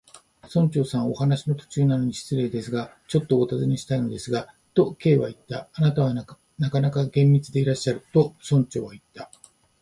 「村長さん、お話の途中なのに失礼ですが、ちょっとおたずねしたいのですが」と、Ｋ はいった。「あなたはなかなか厳密でいらっしゃる」と、村長はいった。